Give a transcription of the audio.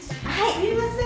すみません。